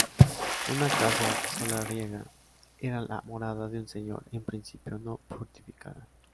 Una casa solariega era la morada de un señor, en principio no fortificada.